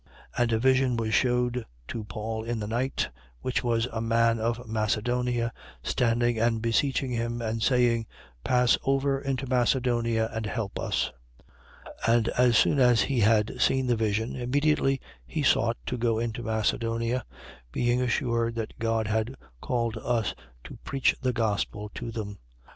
And a vision was shewed to Paul in the night, which was a man of Macedonia standing and beseeching him and saying: Pass over into Macedonia and help us. 16:10. And as soon as he had seen the vision, immediately we sought to go into Macedonia: being assured that God had called us to preach the gospel to them.